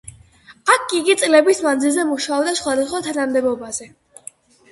აქ იგი წლების მანძილზე მუშაობდა სხვადასხვა თანამდებობაზე.